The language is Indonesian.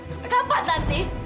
sampai kapan tanti